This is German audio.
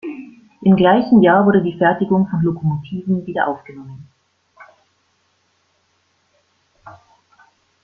Im gleichen Jahr wurde die Fertigung von Lokomotiven wieder aufgenommen.